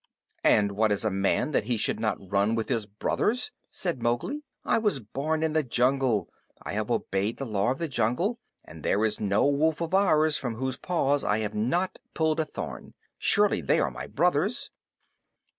"And what is a man that he should not run with his brothers?" said Mowgli. "I was born in the jungle. I have obeyed the Law of the Jungle, and there is no wolf of ours from whose paws I have not pulled a thorn. Surely they are my brothers!"